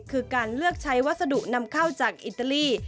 คือการเลือกใช้วัสดุนำเข้าจากอิตาลี